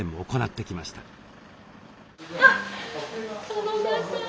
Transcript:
其田さん